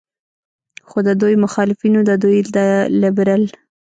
خو د دوي مخالفينو د دوي د لبرل